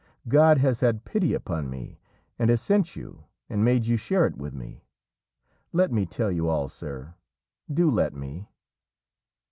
God has had pity upon me, and has sent you, and made you share it with me. Let me tell you all, sir, do let me!"